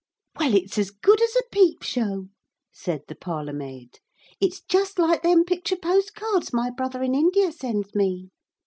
'Well, it's as good as a peep show,' said the parlour maid; 'it's just like them picture post cards my brother in India sends me.